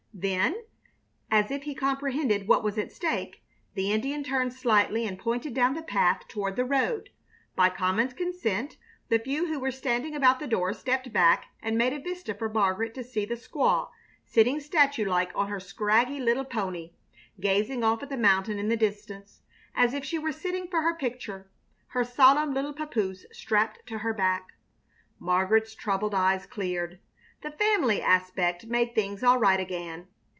Then, as if he comprehended what was at stake, the Indian turned slightly and pointed down the path toward the road. By common consent the few who were standing about the door stepped back and made a vista for Margaret to see the squaw sitting statue like on her scraggy little pony, gazing off at the mountain in the distance, as if she were sitting for her picture, her solemn little papoose strapped to her back. Margaret's troubled eyes cleared. The family aspect made things all right again.